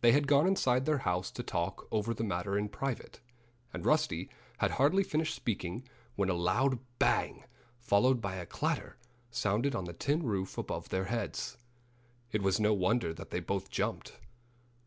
They had gone inside their house to talk over the matter in private. And Rusty had hardly finished speaking when a loud bang, followed by a clatter, sounded on the tin roof above their heads. It was no wonder that they both jumped.